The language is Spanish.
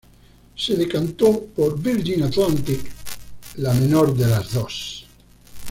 Se decantó por Virgin Atlantic, la menor de las dos.